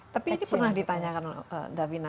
tapi ini pernah ditanyakan davina